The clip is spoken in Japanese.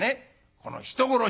この人殺し！」。